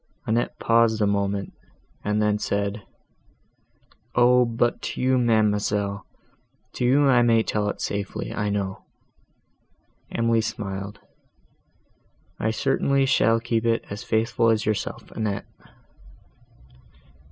Annette paused a moment, and then said, "O, but to you, ma'amselle, to you I may tell it safely, I know." Emily smiled, "I certainly shall keep it as faithful as yourself, Annette."